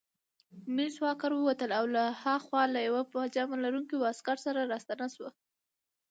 مس واکر ووتله او له هاخوا له یوه پاجامه لرونکي واسکټ سره راستنه شوه.